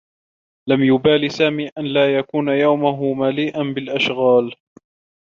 لم يبال سامي أن لا يكون يومه مليئا بالأشغال.